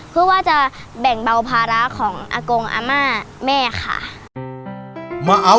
เพื่อว่าจะแบ่งเบาภาระของอากงอาม่าแม่ค่ะ